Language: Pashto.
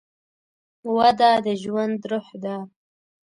وده د ژوند روح ده.